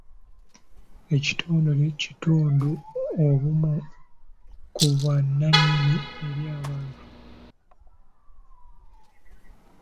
Ekitongole kitunda obumu ku bwannannyini eri abantu.